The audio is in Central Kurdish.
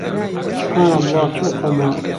سوبحانەڵڵا چۆن قەوماوە!